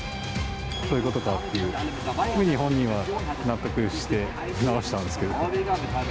そういうことかっていうふうに、本人は納得して直したんですけど。